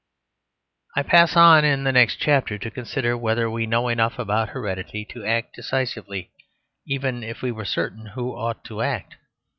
I pass on, in the next chapter, to consider whether we know enough about heredity to act decisively, even if we were certain who ought to act.